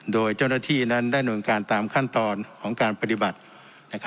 โดยเจ้าหน้าที่นั้นได้นวลการตามขั้นตอนของการปฏิบัติ